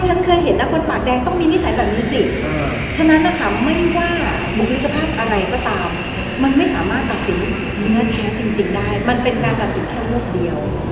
มันเป็นเพียงการตัดสินแค่มุขเดียว